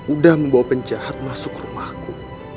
udah membawa penjahat masuk rumahku